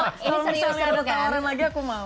kalau misalnya ada pertawaran lagi aku mau